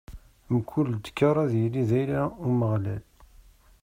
Mkul dkeṛ ad yili d ayla n Umeɣlal.